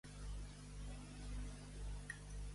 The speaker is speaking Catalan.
Ofel era una ciutat independent de Jerusalem?